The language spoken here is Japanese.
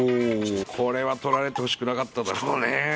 これは取られてほしくなかっただろうね